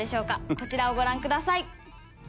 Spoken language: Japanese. こちらをご覧ください。